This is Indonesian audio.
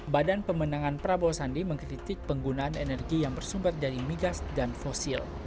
badan pemenangan prabowo sandi mengkritik penggunaan energi yang bersumber dari migas dan fosil